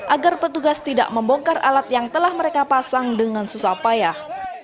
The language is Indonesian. agar petugas tidak membongkar alat yang telah mereka pasang dengan susah payah